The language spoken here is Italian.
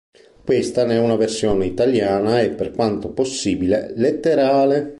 Questa ne è una versione italiana e, per quanto possibile, letterale.